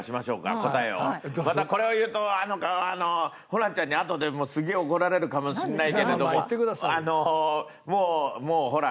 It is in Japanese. またこれを言うとあのホランちゃんにあとですげえ怒られるかもしれないけれども。